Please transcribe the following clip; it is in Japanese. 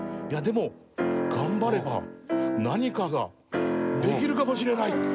いや、でも、頑張れば何かができるかもしれない。